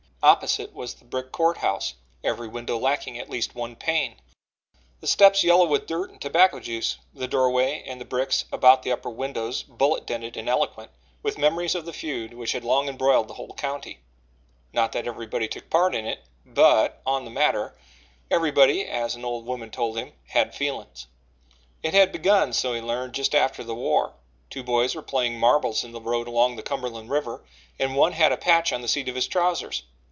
Opposite was the brick Court House every window lacking at least one pane, the steps yellow with dirt and tobacco juice, the doorway and the bricks about the upper windows bullet dented and eloquent with memories of the feud which had long embroiled the whole county. Not that everybody took part in it but, on the matter, everybody, as an old woman told him, "had feelin's." It had begun, so he learned, just after the war. Two boys were playing marbles in the road along the Cumberland River, and one had a patch on the seat of his trousers.